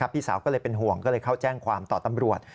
พี่สาวก็เลยเป็นห่วงก็เลยเข้าแจ้งความต่อตำรวจ